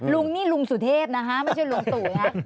ลุงนี่ลุงสุเทพนะคะไม่ใช่ลุงตู่นะ